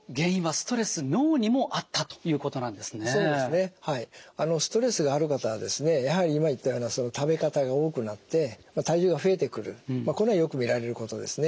ストレスがある方はですねやはり今言ったような食べ方が多くなって体重が増えてくるこれはよく見られることですね。